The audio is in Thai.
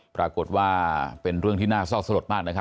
ปรากฏว่าเป็นเรื่องที่น่าซ่อสลดมาก